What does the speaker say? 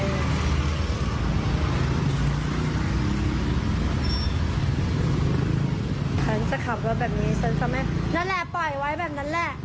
ฉันจะขับรถแบบนี้ฉันก็ไม่นั่นแหละปล่อยไว้แบบนั้นแหละ